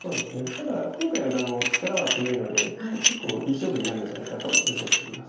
ただ福岡四段も力は強いので結構いい勝負になるんじゃないかと予想しています。